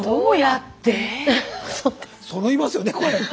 そろいますよね